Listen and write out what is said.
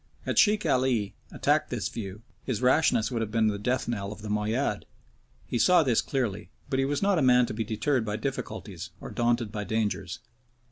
Had Sheikh Ali attacked this view, his rashness would have been the death knell of the Moayyad. He saw this clearly, but he was not a man to be deterred by difficulties, or daunted by dangers.